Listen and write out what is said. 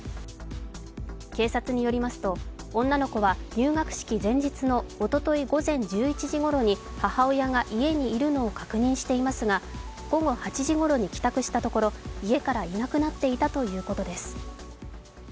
警察によりますと女の子は入学式前日の午前１１時ごろに母親が家にいるのを確認していますが、午後８時ごろに帰宅したところ家からいなくなっていたということです。